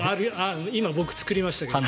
今、僕が作りましたけど。